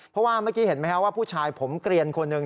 เพราะว่าเมื่อกี้เห็นไหมครับว่าผู้ชายผมเกลียนคนหนึ่ง